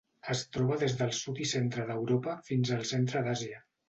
Es troba des del sud i centre d'Europa fins al centre d'Àsia.